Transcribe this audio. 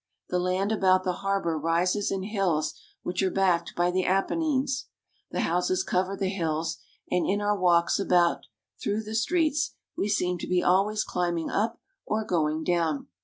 The land about the harbor rises in hills which are backed by the Apennines. The houses cover the hills, and in our walks about through the streets we seem to be always climbing up or going down.